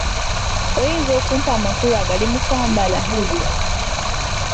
Oyinza okumpa amakulu agali mu kwambala?